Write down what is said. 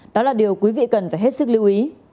đó là điều quý vị cần phải hết sức lưu ý